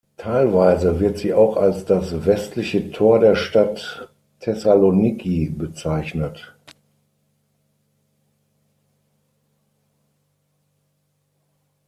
Teilweise wird sie auch als das westliche Tor der Stadt Thessaloniki bezeichnet.